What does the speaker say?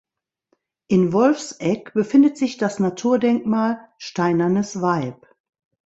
In Wolfsegg befindet sich das Naturdenkmal „Steinernes Weib“.